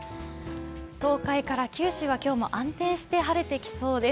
東海から九州は今日も安定して晴れてきそうです。